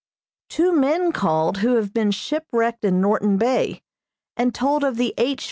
Two men called who have been shipwrecked in Norton Bay, and told of the H.